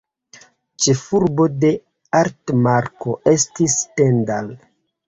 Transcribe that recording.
Ĉefurbo de Altmark estis Stendal.